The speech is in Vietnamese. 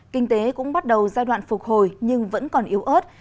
kinh tế cũng bắt đầu giai đoạn phục hồi nhưng vẫn còn yếu ớt